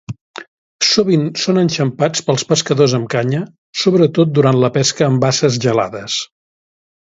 Sovint són enxampats pels pescadors amb canya, sobretot durant la pesca en basses gelades.